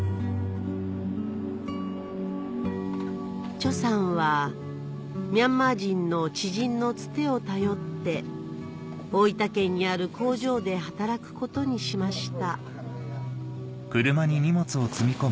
チョさんはミャンマー人の知人のつてを頼って大分県にある工場で働くことにしました